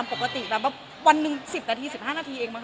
ปกติวันนึง๑๐๑๕นาทีเอง